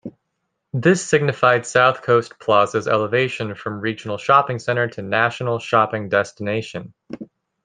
This signified South Coast Plaza's elevation from regional shopping center to national shopping destination.